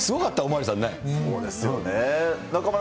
そうですよね。